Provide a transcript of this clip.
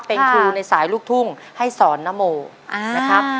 เป็นครูในสายลูกทุ่งให้สอนนโมนะครับ